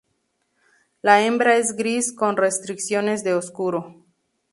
La hembra es gris con restricciones de oscuro.